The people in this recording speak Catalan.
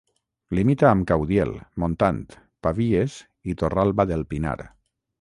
Limita amb Caudiel, Montant, Pavies i Torralba del Pinar.